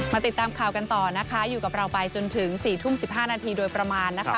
ติดตามข่าวกันต่อนะคะอยู่กับเราไปจนถึง๔ทุ่ม๑๕นาทีโดยประมาณนะคะ